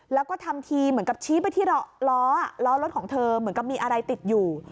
แล้วก็ทำทีเหมือนกับชี้ไปที่ล้อล้อรถของเธอเหมือนกับมีอะไรติดอยู่